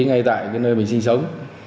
ngay tại nơi mình sinh sống